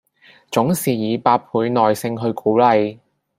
總是以百倍耐性去鼓勵